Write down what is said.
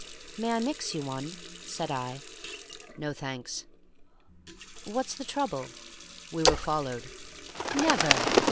"May I mix you one?" said I. "No, thanks." "What's the trouble?" "We were followed." "Never!"